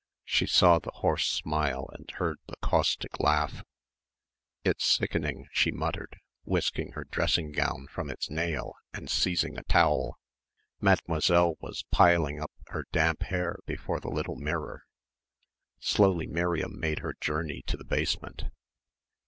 She saw the horse smile and heard the caustic voice. "It's sickening," she muttered, whisking her dressing gown from its nail and seizing a towel. Mademoiselle was piling up her damp hair before the little mirror. Slowly Miriam made her journey to the basement.